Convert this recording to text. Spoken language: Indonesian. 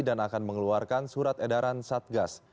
dan akan mengeluarkan surat edaran satgas